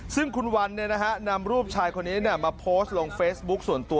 ซึ่งคุณวันนำรูปชายคนนี้มาโพสต์ลงเฟซบุ๊คส่วนตัว